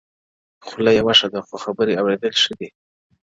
خوله يوه ښه ده; خو خبري اورېدل ښه دي;